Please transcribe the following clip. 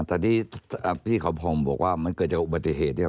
แต่ที่พี่เขาพองบอกว่ามันเกิดจากอุบัติเหตุเนี่ย